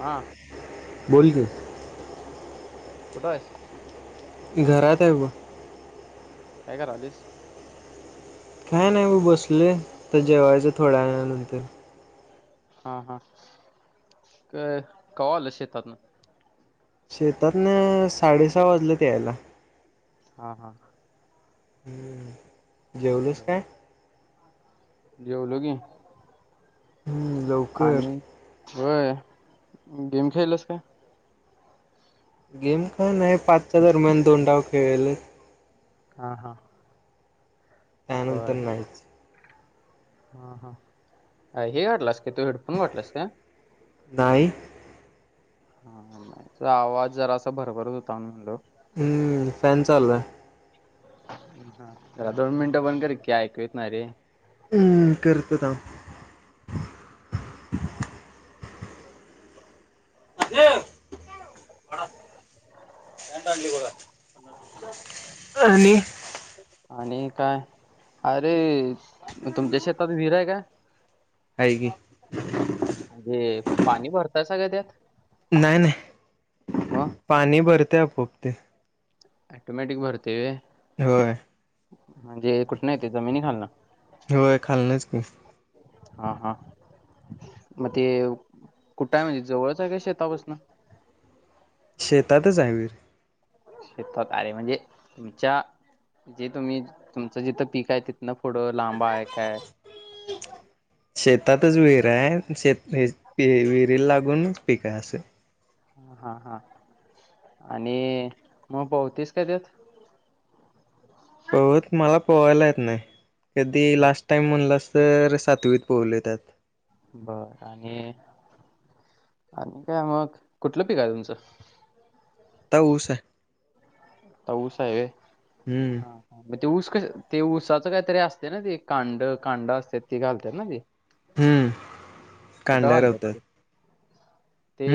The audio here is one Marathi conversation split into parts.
हा बोोल कुठं आहेस घराात ब का कारालीस काय नाही म बसले तर जेवायचं थोड्या वेळा नंतर हा हा कवाल शेतातन शेतात ना साडेसहा वाजलेत यायला हा हा हम्म जेवलूस काय जेवलगे लवकर होय गेम खेळलस का गेम काय नाही पाचच्या दरम्यान दोनडाव खेळेल हा हा बर त्यानंतर नाईच हा हा हे वााठलास का तू हेडफोन वााटलास का नाही हा नाही आवाज जरा असा भरभरत होता म्हणलो हम्म फॅन चालू आहे जरा दोन मिनटं पण कर की ऐकूेत ना रे करतता असा आणि आणि काय अरे तुमच्या शेतात विहीरआहे का? आहे की म्हणजे पाणी भरतासा का त्यात, नाही मग नाही पाणी भरतेय पोपते. अटोमॅटिक भरते. होय म्हणजे कुठ नाही येते जमिनी खालना होय खालनच की हा हा मग ते कुठं आहे म्हणजे जवळच आहे का शेतापासन शेतातच आहे विहीर शेतात अरे म्हणजे तुमच्या जे तुम्ही तुमचं जिथं पीक आहे तिथनं पूढ लांब आहे. काय शेतातच विहिर आहे शेत विहिरी लागूनच पिक असं ह हा हा आणि मग पोहतीस का त्यात, हो मला पोहायला येत नाही कधी लास्ट टाइम म्हणलंस तर सातवीत पोहलेलो. बर आणि आणि काय मग कुठलं पिक आहे तुमचं, ऊस आहे. ऊस आहे हम्म वय ते ऊस कस ते ऊसाचं काहीतरी असते ना ते कांड कांड असत ती घालत ना ते हम्म कुठं घालतात कांड्यारवतात ते ते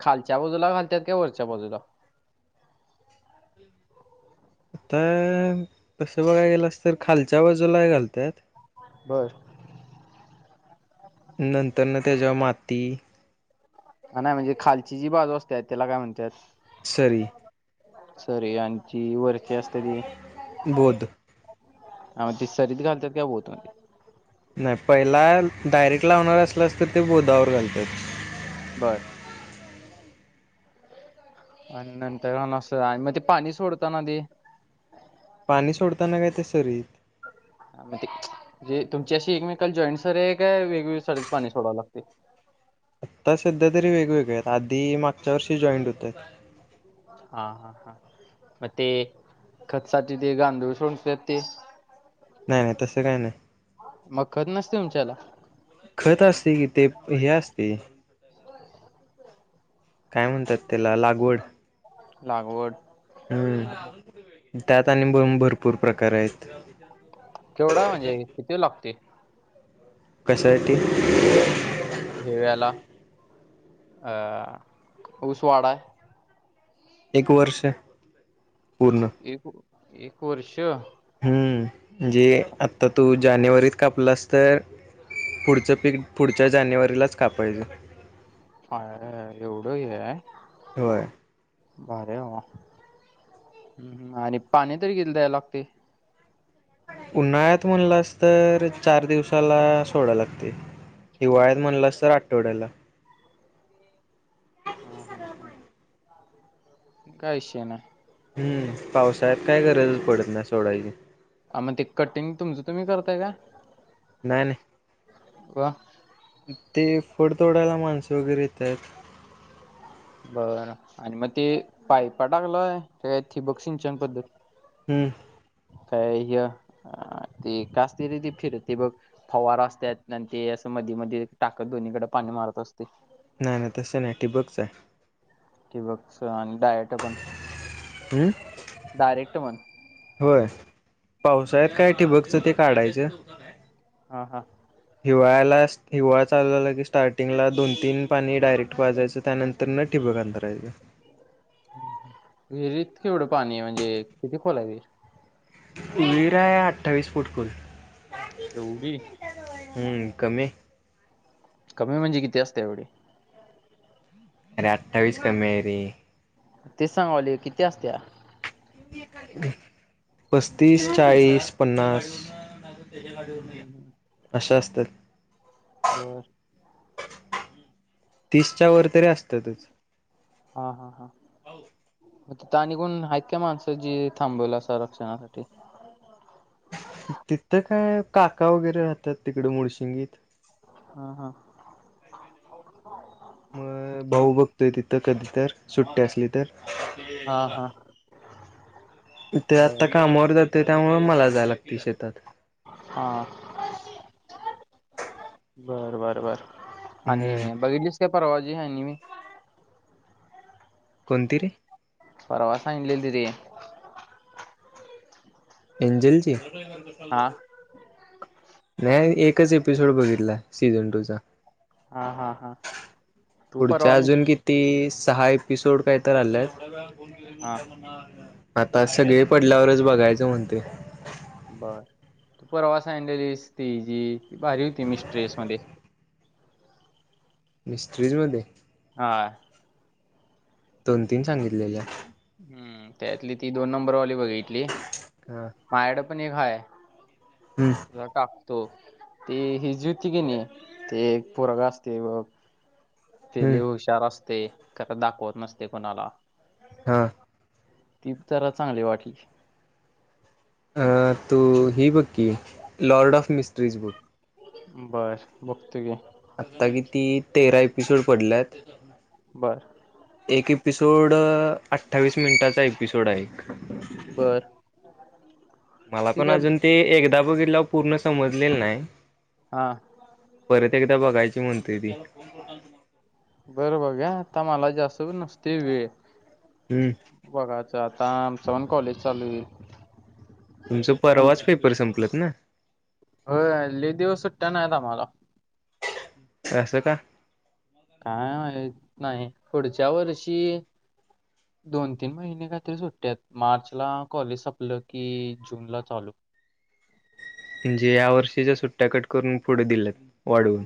खालच्या बाजूला घालतात कि वरच्या बाजूला आता तसं बघाय गेलंस तर खालच्या बाजूला घालतात. बरं नंतर ना त्याच्या माती नाही म्हणजे खालची जी बाजू असतेय त्याला काय म्हणतात. सरी सरी आणची वरखी असते ती. बोध आ ते सरीत घालतात का बोलत. नाही पहिला डायरेक्ट लावणार असल्यास तर ते बोधावर घालतात. बर आणि नंतर अस आणि मग ते पाणी सोडत ना ते पाणी सोडताना काय ते सरीत म ते जे तुमच्या अशी एकमेकाला जॉईंट सरे आहे काय वेगवेगळ्या साडीेत पाणी सोडावं लागते. आता सध्या तरी वेगवेगळे आहेत आधी मागच्या वर्षी जॉईंट होतय. हा हा हा मग ते खचसाचे ते गांधूळ सोडतात ते, नाही नाही तसं काही नाही मग खत नसते तुमच्याला खत असते कि ते हे असते. काय म्हणतात त्याला लागवड लागवड हा हा हम् त्यात बर आणि भरपूर प्रकार आहेत. केवढा म्हणजे किती लागते. कशा साठी हिव्याला अ ऊसवाडा आहे. एक वर्ष पूर्ण एक एक वर्ष हम्म म्हणजे आता तू जानेवारीत कापलास तर पुढचं पीक पुढच्या जानेवारीलाच कापायच अया या या एवढं हे आहे. होय भारी हे बाबा आणि पाणी तरी किती वेळेला द्यायला लागतय? उन्हाळ्यात म्हणलास तर चार दिवसाला सोडा लागतय हिवाळ्यात म्हणलंस तर आठवड्याला हा ह ह काय इशय ना हम्म पावसाळ्यात काय गरजच पडत नाय सोडायची. अ मग ते कटिंग तुमचं तुम्ही करताय का? नाही नाही. व्वा ते फोडतोडायला माणसं वगैरे येतायेत बर आणि मग ते पायपा टाकलय का थिबक सिंचन पद्धत हम्म काय ह ते का असते ति ते फिरते बघ फवारा असतात आणि ते असं मध्ये मध्ये टाकत दोन्हीकडे पा णी मारत असतंय नाही नाही तसं नाही ठिबकच आहे ठिबकच आणि डायट पण हम्म डायरेक्ट पण होय पावसाळ्यात काय टिबकच ते काढायचं हा हा हिवाळ्याला हिवाळा चालु झाला की स्टार्टिंगला दोन तीन पाणी डायरेक्ट पाजायचं त्यानंतर न ठी बक हंथरायच विहिरीत केवढं पाणी म्हणजे किती खोला आहे विहीर? विहीर आहे अठ्ठावीस फुट खोल. एवढी हम्म कमी कमी म्हणजे किती असते एवढी? अरे अठ्ठावीस कमी आहे रे. तेच सांगालोय किती असतेया? पस्तीस चाळीस पन्नास हम्म हम्म हम्म. अशा असतात बर तीसच्या वर तरी असतातच हा हा हा मग तिथं कोण आहेत ऐ क्या माणसं जी थांबवला अस रक्षणासाठी तिथं काय काका वगैरे राहतात तिकड मुळशिंगीत हा हा [unintelligible] मग ठीक भाऊ आहे बघतोय तिथं कधी तर सुट्टी असली तर. हा हा ते आता बर कामवर जात ताय त्यामुळे मला जाय लागते शेतात हा बरं बरं बर आणि हम्म बघितलीस काय परवा जी हानिमी कोणती रे परवा सांगिलेली ती दी अंजलची? हा नाही एकच एपिसोड बघितला सीझन टूचा हा हा हा तू पुढच्या परवा मिस अजून किती.. सहा एपिसोड काय तर आला हा आता... सगळे पडल्यावरच बघायचं म्हणते.. बर... तू परवा सगितलेलीस ति जी ती भारी होती मिस्ट्रेस मध्ये मिस्त्रीज मध्ये हा.. दोन तीन सांगितलेले.. हम्म त्यातली ती दोन नंबरवाली बघितली.. हा मायड पण एक हाय हम्म तझ का.. त ते हीची होती क नाही ते पोरक असते ब तेली हम्म हुशार असते खं दाखवत नसते कोणाला.. हा.. ती त्याला चांगले वाटली. अ तू ही बुक कि लॉर्ड ऑफ मिस्ट्रीज बुक... बस ब... आता किती तेरा एपिसोड पडल्यात बर एक एपिसोड अठ्ठावीस मिनिटाचा एपिसोड आहे. बर.. मला ठीक पण आहे अजून ते एकदा बघितलं पूर्ण समजलेलं नाही. हा परत एकदा बघायची म्हणते ती... बरं बघा आता मला जास्त नसते वेळ... हम्म.. बघायचं आता आमच्या पण कॉलेज चालू आहे. तुमचं परवाच पेपर संपलत ना. हो लय दिवस सुट्ट्या नाही आम्हाला.. असं का? काय मा नाही पुढच्या वर्षी... दोन तीन महिने कात्री सुट्टयात मार्चला कॉलेज संपलं की जून ला चालू [unintelligible] म्हणजे या वर्षीच्या सुट्टया कट करून पुढे दिल्यात वाढवून..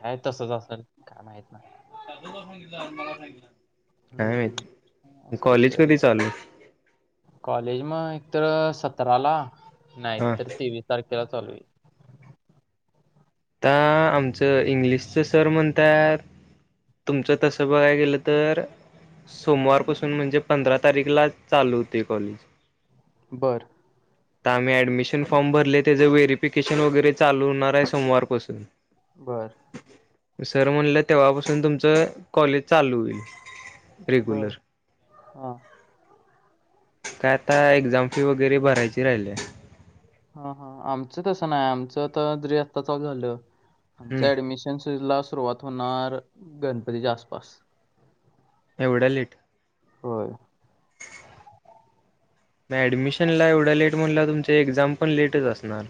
काय तस चल का माहित नाही आजूला सांगितलं मला सांगितलं हा हम्म. मी असा विषय कॉलेज आहे रे कधी तो. चालू... कॉलेज मग एक तर सतराला नाही हा तर तेवीस तारखे... त्याला चालवी... आता आमचं इंग्लिशचं सर म्हणतात. तुमचं तसं बघायला गेलं तर... सोमवारपासून म्हणजे पंधरा तारीखला चालू होते कॉलेज... बरं... तर आम्ही ऍडमिशन फॉर्म भरले त्याचं व्हेरीफिकेशन वगैरे चालू होणार आहे सोमवारपासून... बर... सर म्हणलं तेव्हापासून तुमचं कॉलेज चालू होईल. बर रेग्युलर हा... काय आता एक्झाम फी वगैरे भरायची राहिली. ह हा आमच तसं नाही आमच तर आता चल झालं आमच हम्म ऍडमिशन... ला सुरुवात होणार गणपतीच्या आसपास... एवढ्या लेट... होय... म ऍडमिशनला एवढं लेट म्हणल्याव तुमचा एक्झाम पण लेटच असणार.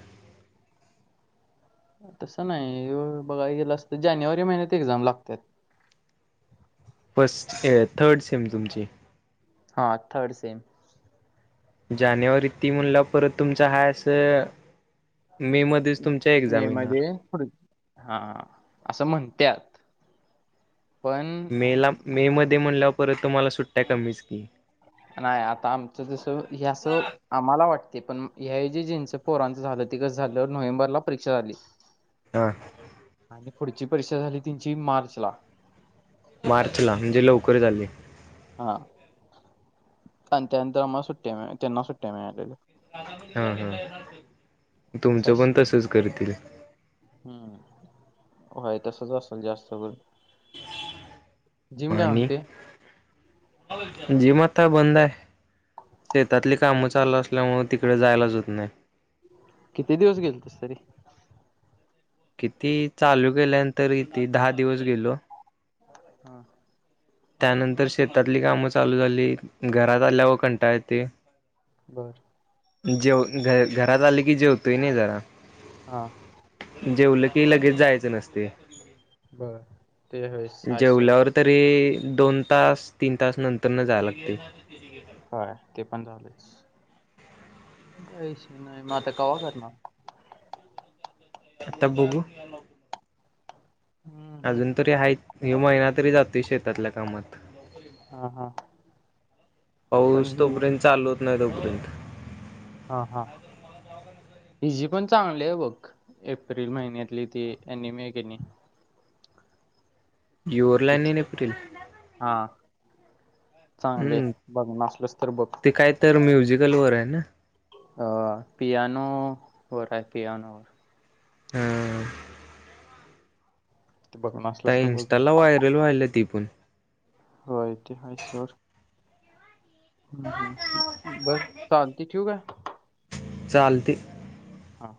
तसं नाही बघाय गेल असत, जानेवारी महिन्यात एक्झाम लागतात. [inaudible] फर्स्ट-थर्ड सीम तुमची. हा, थर्ड सेम. जानेवारी ती मुला परत तुमचा हा असं. [unintelligible] मध्येच तुमच्या मे एक्झाम मध्ये येणार. पुढ- हा असं म्हण त्यात- मे ला, मे मध्ये म्हणल्यावर परत तुम्हाला सुट्ट्या कमीच की? नाही, आता आमचं जस हे असं आम्हाला वाटत ते पण हे जे जिंचं पोरांचं झालं, ते कस झालं, नोव्हेंबरला परीक्षा झाली. हा. आणि पुढची परीक्षा झाली, तीनची मार्च ला. मार्च ला म्हणजे, लवकर झाली. हा आणि त्यानंतर आम्हाला सुट्ट्या मि त्यांना सुट्ट्या मिळाल्याल्या. हा, हा, असा तुमचं पण विषय तसच करतील. हम्म होय, तसच असेल जास्त करून. जिम काय आणि म्हणते जे म आता बंद आहे. शेतातली कामं चालू असल्यामुळे तिकडे जायलाच होत नाही. किती दिवस गेलतस तरी? किती? चालू केल्यानंतर कीती दहा दिवस गेलो. हा. त्यानंतर, शेतातली कामं चालू झाली, घरात आल्या व कंटाळा येतय. बर. जेवण, घरात आलय की जेवतोय नाही जरा. हा. जेवलं की लगेच जायचं नसतय. बर. ते होय साय सोड जेवल्यावर तरी दोन तास तीन तास नंतर न जाय लागतय. काय ते पण झालेच. काही नाही म आता कवा करणार? आता बघू? हम्म हम्म अजून तरी हायत, ह्यो महिना तरी जातोय शेतातल्या कामात. हा हा पण पाऊस ही तोपर्यंत चालू होत नाही तोपर्यंत. हा, हा, हिजी पण चांगली आहे, बघ एप्रिल महिन्यातली ती आणि मे कनी युअर्ला तीच एप्रिल [unintelligible] हा चांगली आहे. हम्म, बघणार असलस तर बघ. ते काय तर म्युझिकल वर आहे. ना अ पियानो वर आहे पियानो वर. हम. ते बघणार आ असलस तर बघ. इंस्टाला व्हायरल व्हायला ति पण. होय, तेहा सोड. हं. हं. हं. बर चालतंय ठेवू काय? चालतय. हा.